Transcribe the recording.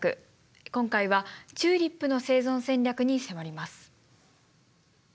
今回はチューリップの生存戦略に迫ります。